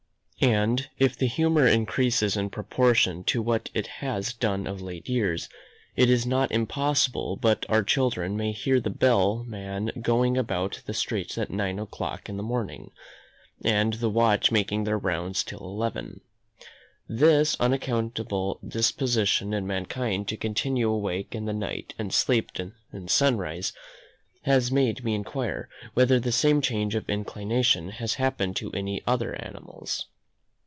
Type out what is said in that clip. And, if the humour increases in proportion to what it has done of late years, it is not impossible but our children may hear the bell man going about the streets at nine o'clock in the morning, and the watch making their rounds till eleven. This unaccountable disposition in mankind to continue awake in the night and sleep in sunshine, has made me inquire, whether the same change of inclination has happened to any other animals?